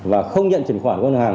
và không nhận chuyển khoản của ngân hàng